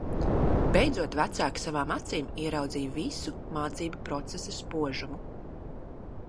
Beidzot vecāki savām acīm ieraudzīja visu mācību procesa spožumu.